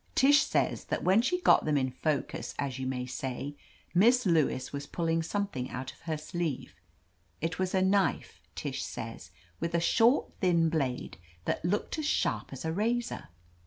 Tish says that when she'd got them in focus, as you may say. Miss Lewis was pulling some thing out of her sleeve. It was a knife, Tish says, with a short, thin blade that looked as sharp as a razor.